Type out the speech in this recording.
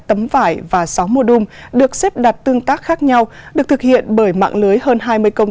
hai tấm vải và sáu mô đung được xếp đặt tương tác khác nhau được thực hiện bởi mạng lưới hơn hai mươi công